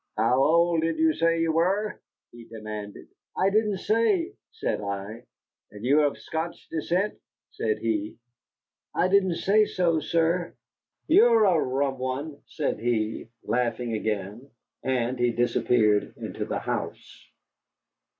"How old did you say you were?" he demanded. "I didn't say," said I. "And you are of Scotch descent?" said he. "I didn't say so, sir." "You're a rum one," said he, laughing again, and he disappeared into the house.